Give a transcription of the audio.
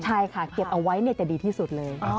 ใช่ค่ะเก็บเอาไว้จะดีที่สุดเลย